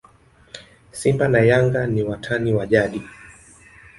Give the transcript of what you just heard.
simba na yanga ni watani wa jadi